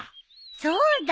そうだ！